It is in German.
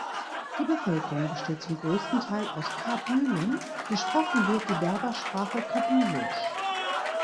Die Bevölkerung besteht zum größten Teil aus Kabylen, gesprochen wird die Berbersprache Kabylisch.